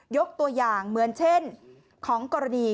ยกตัวอย่างเหมือนเช่นของกรณี